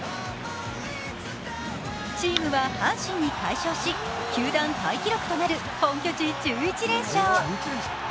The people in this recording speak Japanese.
チームは阪神に快勝し球団タイ記録となる本拠地１１連勝。